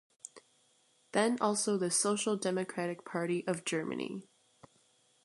Then also the social democratic party of Germany.